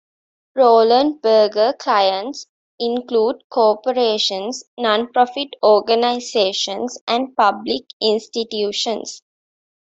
Roland Berger clients include corporations, non-profit organizations and public institutions.